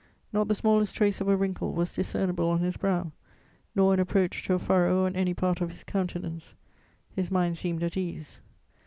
Not the smallest trace of a wrinkle was discernible on his brow, nor an approach to a furrow on any part of his countenance; his mind seemed at ease.